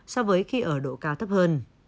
so với khi ở độ cao thấp hơn